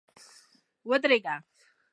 ودرېږه!